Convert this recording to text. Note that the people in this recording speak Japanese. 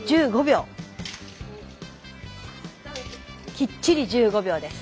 きっちり１５秒です。